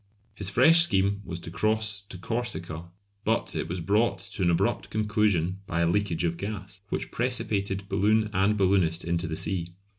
His fresh scheme was to cross to Corsica, but it was brought to an abrupt conclusion by a leakage of gas, which precipitated balloon and balloonist into the sea.